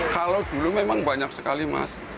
kalau dulu memang banyak sekali mas